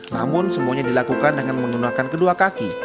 namun semuanya dilakukan dengan menggunakan kedua kaki